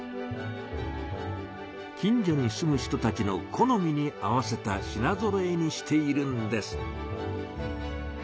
近所に住む人たちの好みに合わせた品ぞろえにしているんです。